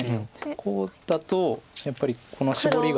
こうだとやっぱりこのシボリが。